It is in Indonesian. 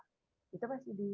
gitu mas yudi